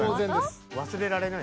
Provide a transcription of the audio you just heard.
忘れられないです。